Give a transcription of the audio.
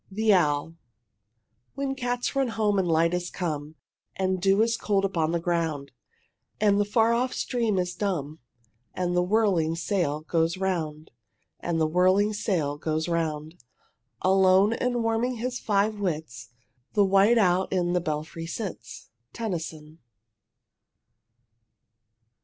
THE OWL When cats run home, and light is come And dew is cold upon the ground, And the far off stream is dumb, And the whirring sail goes round, And the whirring sail goes round, Alone and warming his five wits The white owl in the belfry sits. Tennyson.